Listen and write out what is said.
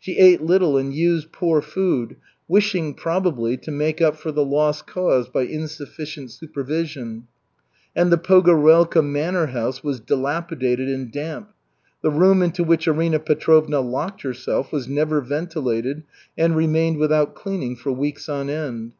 She ate little and used poor food, wishing, probably, to make up for the loss caused by insufficient supervision. And the Pogorelka manor house was dilapidated and damp. The room into which Arina Petrovna locked herself was never ventilated and remained without cleaning for weeks on end.